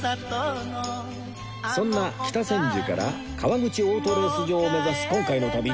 そんな北千住から川口オートレース場を目指す今回の旅